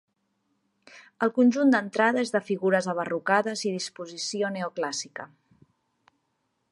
El conjunt d'entrada és de figures abarrocades i disposició neoclàssica.